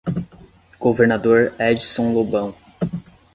Governador Edison Lobão